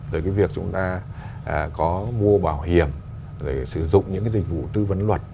rồi cái việc chúng ta có mua bảo hiểm rồi sử dụng những cái dịch vụ tư vấn luật